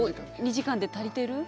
２時間で足りてる？